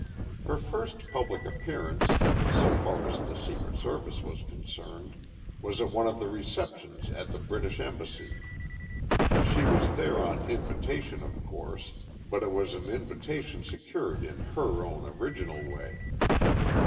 Her first public appearance, so far as the Secret Service was concerned, was at one of the receptions at the British embassy. She was there on invitation, of course, but it was an invitation secured in her own original way.